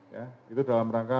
ya itu dalam rangka